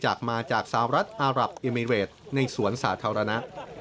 มาจากมาจากสหรัฐอารับเอมิเวทในสวนสาธารณะ